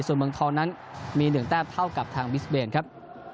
ส่วนเมืองทองนั้นมี๑แต้มเท่ากับทางบิสเบนครับ